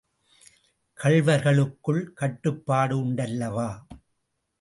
கள்வர்களுக்குள் கட்டுப்பாடு உண்டல்லவா?